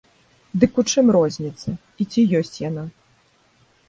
Дык у чым розніца, і ці ёсць яна?